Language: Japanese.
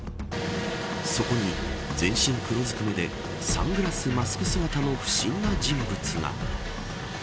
そこに全身黒ずくめでサングラス、マスク姿の不審な人物が。